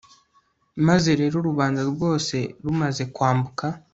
maze rero rubanda rwose rumaze kwambuka